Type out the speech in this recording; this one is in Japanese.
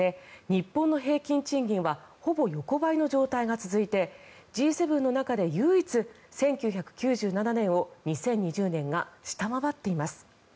日本の平均賃金はほぼ横ばいの状態が続いてＧ７の中で唯一１９９７年を、２０２０年が下回っています。